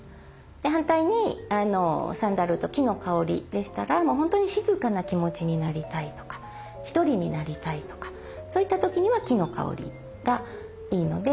反対にサンダルウッド木の香りでしたらもう本当に静かな気持ちになりたいとか一人になりたいとかそういった時には木の香りがいいので。